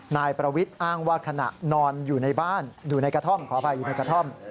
นายประวิทย์อ้างว่าขณะนอนอยู่ในบ้านอยู่ในกระท่อมขออภัยอยู่ในกระท่อม